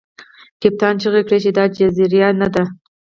کپتان چیغې کړې چې دا جزیره نه ده.